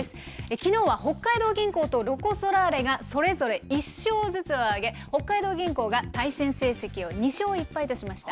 きのうは北海道銀行とロコ・ソラーレがそれぞれ１勝ずつを挙げ、北海道銀行が対戦成績を２勝１敗としました。